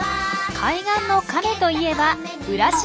海岸のカメと言えば浦島